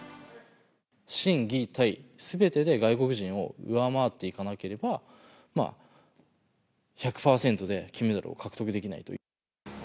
心技体すべてで外国人を上回っていかなければ、１００％で金メダルを獲得できないという。